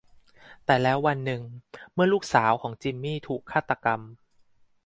แต่แล้ววันหนึ่งเมื่อลูกสาวของ จิมมี่ ถูกฆาตกรรม